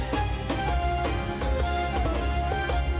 terima kasih ailman